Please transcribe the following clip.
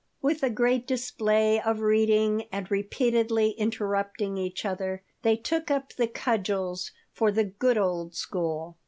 With a great display of reading and repeatedly interrupting each other they took up the cudgels for the "good old school."